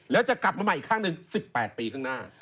แล้วจะกลับมาอีกครั้งนึงสิบแปดปีข้างหน้า